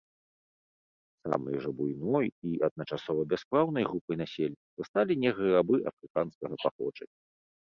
Самай жа буйной і адначасова бяспраўнай групай насельніцтва сталі негры-рабы афрыканскага паходжання.